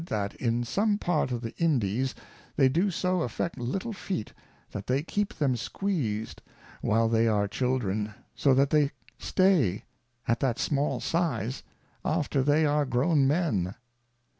That in some part of the Indies they do so affect little Feet, that they keep them squeezed while they are Children, so that they stay at that small size after they are grown Men.